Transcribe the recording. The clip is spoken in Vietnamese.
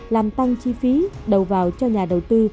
làm tăng chi phí đầu vào cho nhà đầu tư